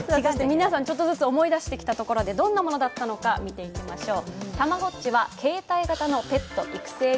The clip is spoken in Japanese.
皆さん、ちょっとずつ思い出したところで、どんなものだったのか見てみましょう。